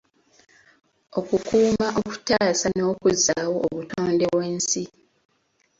Okukuuma, okutaasa n’okuzzaawo obutonde bw’ensi.